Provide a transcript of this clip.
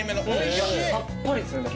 さっぱりですよね